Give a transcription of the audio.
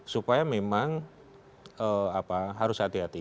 supaya memang harus hati hati